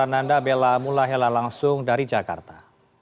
ananda bella mulai helah langsung dari jakarta